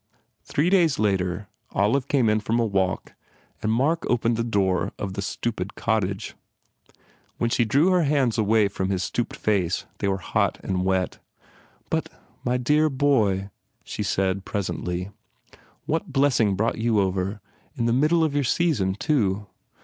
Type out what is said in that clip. Three days later Olive came in from a walk and Mark opened the door of the stupid cottage. IOI THE FAIR REWARDS When she drew her hands away from his stooped face they were hot and wet. "But, my dear boy," she said, presently, "what blessing brought you over? In the middle of your season, too."